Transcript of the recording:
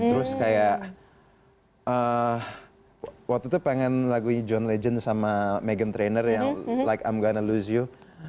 terus kayak waktu itu pengen lagu john legend sama meghan trainor yang like i'm gonna lose you